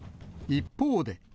一方で。